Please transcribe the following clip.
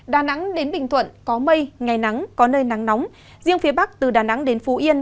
đà nẵng đến bình thuận có mây ngày nắng có nơi nắng nóng riêng phía bắc từ đà nẵng đến phú yên